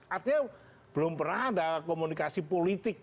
artinya belum pernah ada komunikasi politik